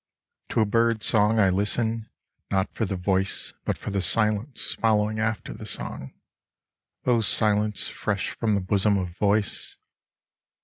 To a bird's song I listen, Not for the voice, but for the silence following after the song : O Silence fresh from the bosom of voice